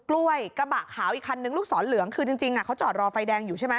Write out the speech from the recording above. กล้วยกระบะขาวอีกคันนึงลูกศรเหลืองคือจริงเขาจอดรอไฟแดงอยู่ใช่ไหม